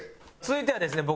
続いてはですね